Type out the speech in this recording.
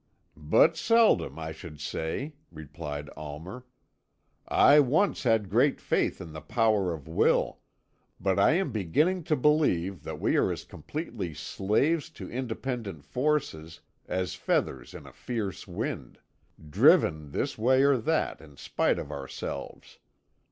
"But seldom, I should say," replied Almer. "I once had great faith in the power of Will; but I am beginning to believe that we are as completely slaves to independent forces as feathers in a fierce wind: driven this way or that in spite of ourselves.